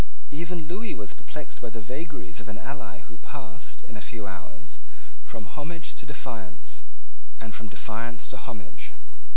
Even Lewis was perplexed by the vagaries of an ally who passed, in a few hours, from homage to defiance, and from defiance to homage.